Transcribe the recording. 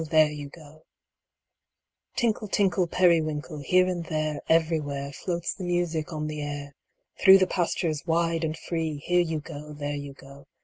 There you go ! Tinkle, tinkle. Periwinkle ! Here and there, Everywhere, Floats the music on the air ! Through the pastures wide and free, Here you go, there you go.